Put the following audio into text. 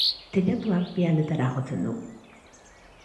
Teilatuak, bi aldetara jotzen du.